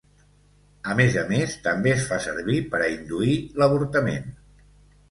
A més a més, també es fa servir per a induir l'avortament.